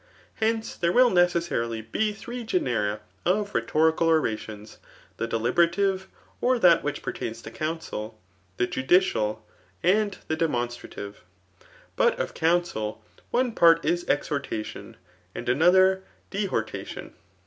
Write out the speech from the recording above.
Hence, tjiere will njccessarily be three genera of rhetorical orations, the deliberative, air that which pert^jns to counsel, the ju<&ial, and the de monstrative. But of counsel, one part is exhortation, and another dehprtation.